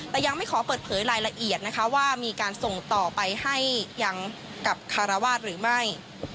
แต่ยังไม่ขอเปิดเผยรายละเอียดนะคะว่ามีการส่งต่อไปให้ยังกับคารวาสหรือไม่